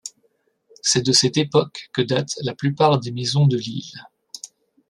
C'est de cette époque que datent la plupart des maisons de l'île.